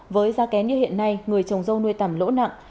với giá kén như hiện nay người trồng dâu nuôi tầm lỗ nặng